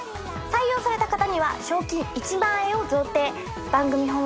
採用された方には賞金１万円を贈呈。